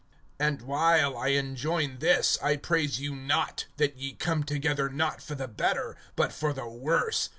(17)And while I enjoin this, I praise you not, that ye come together not for the better, but for the worse.